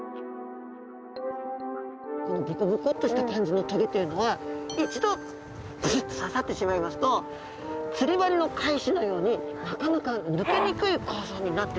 このボコボコっとした感じの棘っていうのは一度ぶすっと刺さってしまいますと釣り針の返しのようになかなか抜けにくい構造になってると考えられています。